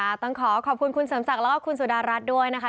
ต้องขอขอบคุณคุณเสริมศักดิ์แล้วก็คุณสุดารัฐด้วยนะคะ